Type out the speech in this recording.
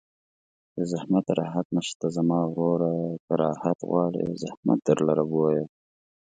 بې زحمته راحت نشته زما وروره که راحت غواړې زحمت در لره بویه